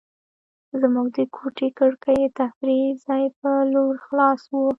زموږ د کوټې کړکۍ د تفریح ځای په لور خلاصه وه.